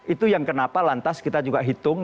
itu yang kenapa lantas kita juga hitung